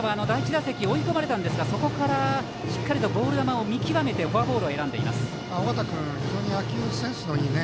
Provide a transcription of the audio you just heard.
緒方は第１打席追い込まれましたがそこからしっかりとボール球を見極めてフォアボールを選んでいます。